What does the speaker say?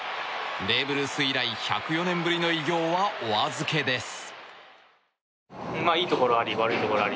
ベーブ・ルース以来１０４年ぶりの偉業はお預けです。